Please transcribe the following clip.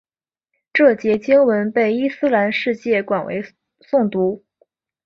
这节经文被伊斯兰世界广为诵读。